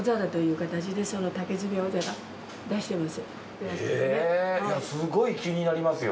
へぇすごい気になりますよ。